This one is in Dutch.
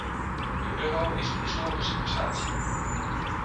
De euro is een historische prestatie.